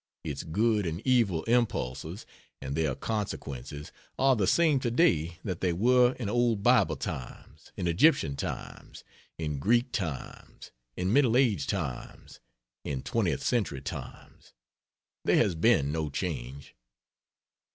Its good and evil impulses and their consequences are the same today that they were in Old Bible times, in Egyptian times, in Greek times, in Middle Age times, in Twentieth Century times. There has been no change.